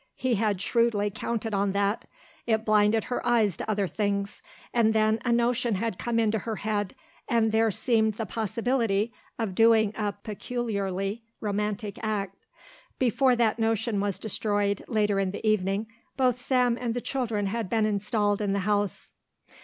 He had shrewdly counted on that. It blinded her eyes to other things and then a notion had come into her head and there seemed the possibility of doing a peculiarly romantic act. Before that notion was destroyed, later in the evening, both Sam and the children had been installed in the house.